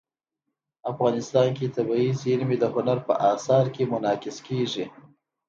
افغانستان کې طبیعي زیرمې د هنر په اثار کې منعکس کېږي.